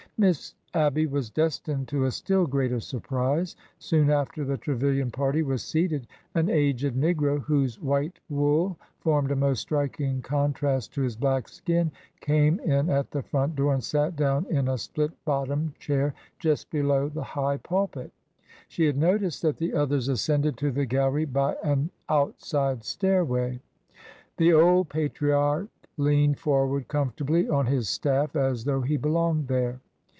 Miss Abby was destined to a still greater surprise. Soon after the Trevilian party was seated, an aged negro, whose white wool formed a most striking contrast to his black skin, came in at the front door, and sat down in a split bottomed chair just below the high pulpit. She had noticed that the others ascended to the gallery by an outside stairway. The old patriarch leaned forward comfortably on his staff, as though he belonged there.